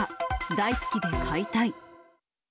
大好きで飼いたい。